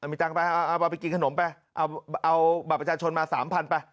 เอาไปกินขนมไปเอาบัตรประชาชนมา๓๐๐๐ไป